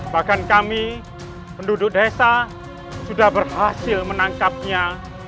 bahkan kami penduduk desa sudah berhasil menangkapnya